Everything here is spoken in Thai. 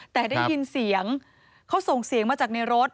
แต่ได้ยินเสียงเขาส่งเสียงมาจากในรถ